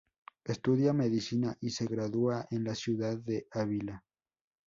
Estudia medicina y se gradúa en la ciudad de Ávila.